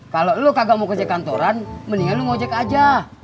kalo lo kagak mau kejek kantoran mendingan lo mau jek aja